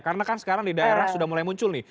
karena kan sekarang di daerah sudah mulai muncul nih